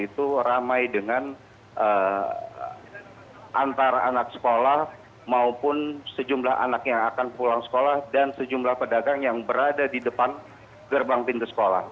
maka ini adalah kondisi yang terjadi antara anak sekolah maupun sejumlah anak yang akan pulang sekolah dan sejumlah pedagang yang berada di depan gerbang pintu sekolah